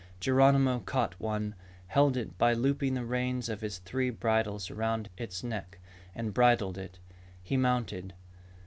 Geronimo caught one, held it by looping the reins of one of his three bridles around its neck, and bridled it. He mounted.